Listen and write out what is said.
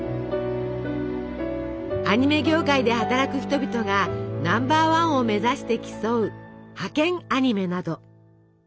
アニメ業界で働く人々がナンバーワンを目指して競う「ハケンアニメ！」など。